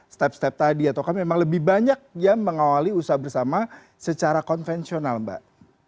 step step tadi atau memang lebih banyak yang mengawali usaha bersama secara konvensional mbak